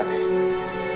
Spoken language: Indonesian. aku tidak mau menerima kamu